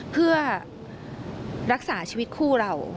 เพื่อรักษาชีวิตคู่เรา